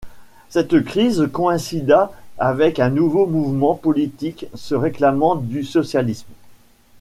Cette crise coïncida avec un nouveau mouvement politique se réclamant du socialisme.